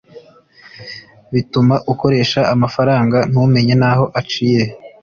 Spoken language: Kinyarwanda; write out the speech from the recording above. bituma ukoresha amafaranga ntumenye n’aho aciye